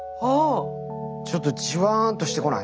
ちょっとジワンとしてこない？